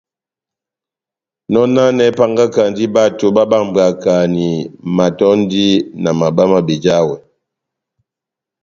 Nɔnanɛ épángakandi bato bábambwakani matɔ́ndi na mabá má bejawɛ.